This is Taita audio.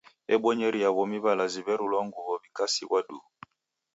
Ebonyeria w'omi w'alazi w'erulwa nguw'o w'ikasighwa duu.